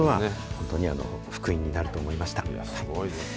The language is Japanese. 本当に福音になると思いました。